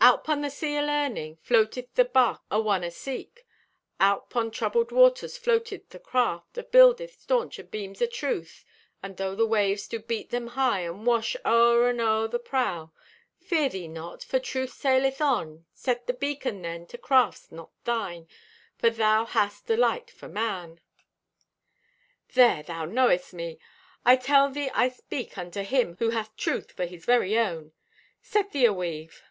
Out 'pon the sea o' learning, Floateth the barque o' one aseek. Out 'pon troubled waters floateth the craft, Abuilded staunch o' beams o' truth. And though the waves do beat them high And wash o'er and o'er the prow, Fear thee not, for Truth saileth on. Set thy beacon, then, to crafts not thine, For thou hast a light for man. "There, thou knowest me. I tell thee I speak unto him who hath truth for his very own. Set thee aweave."